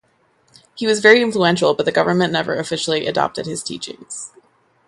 He was very influential but the government never officially adopted his teachings.